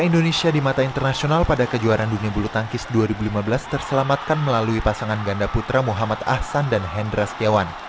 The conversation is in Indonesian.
dunia bulu tangkis dua ribu lima belas terselamatkan melalui pasangan ganda putra muhammad ahsan dan hendra skiawan